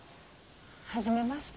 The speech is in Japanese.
初めまして。